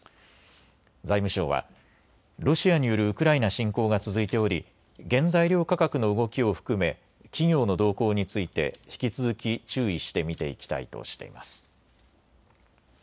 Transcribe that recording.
財務省はロシアによるウクライナ侵攻が続いており原材料価格の動きを含め企業の動向について引き続き注意して見ていきたいとしています。